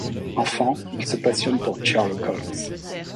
Enfant, il se passionne pour Sherlock Holmes.